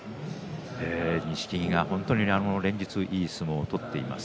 錦木が本当に連日いい相撲を取っています。